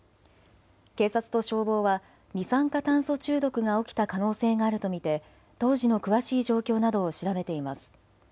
警察と消防は二酸化炭素中毒が起きた可能性があると見て当時の詳しい状況などを調べています。